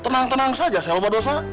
tenang tenang saja saya lupa dosa